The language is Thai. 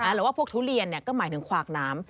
หรือว่าพวกทุเรียนก็หมายถึงขวากน้ำ